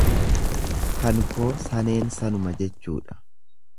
Kan koo saneen sanuma jechuudha.